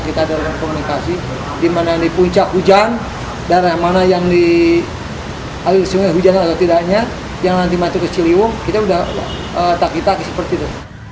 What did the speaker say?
kita ada radio komunikasi di mana yang di puncak hujan dan mana yang di sungai hujan atau tidaknya yang nanti mati ke ciliwung kita sudah tak hita seperti itu